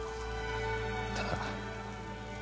ただ。